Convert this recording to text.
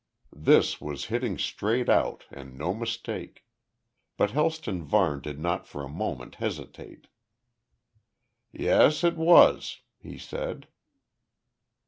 This was hitting straight out and no mistake. But Helston Varne did not for a moment hesitate. "Yes. It was," he said.